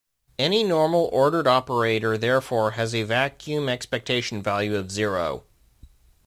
Any normal ordered operator therefore has a vacuum expectation value of zero.